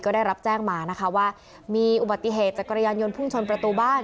ก็ได้รับแจ้งมานะคะว่ามีอุบัติเหตุจักรยานยนต์พุ่งชนประตูบ้าน